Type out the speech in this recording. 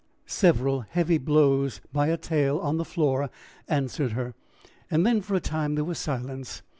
Several heavy blows on the floor answered her, and then for a time there was silence.